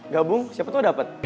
gabung siapa tau dapet